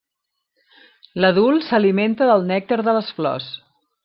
L’adult s’alimenta del nèctar de les flors.